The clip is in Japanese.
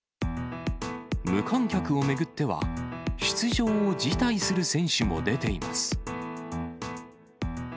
無観客を巡っては、出場を辞退する選手も出ています。